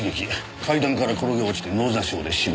階段から転げ落ちて脳挫傷で死亡。